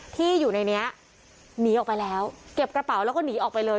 ที่อยู่ในนี้หนีออกไปแล้วเก็บกระเป๋าแล้วก็หนีออกไปเลย